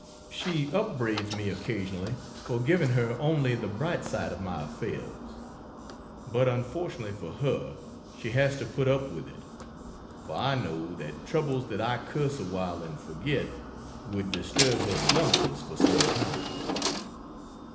She upbraids me occasionally for giving her only the bright side of my affairs (but unfortunately for her she has to put up with it, for I know that troubles that I curse awhile and forget, would disturb her slumbers for some time.)